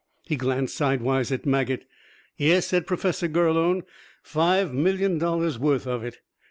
He glanced sidewise at Maget. "Yes," said Professor Gurlone, "five million dollars worth of it!